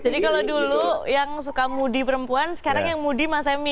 jadi kalau dulu yang suka moody perempuan sekarang yang moody mas emil